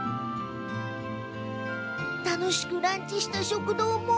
楽しくランチした食堂も。